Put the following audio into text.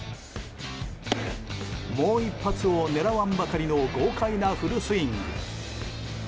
もう一発を狙わんばかりの豪快なフルスイング。